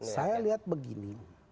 saya lihat begini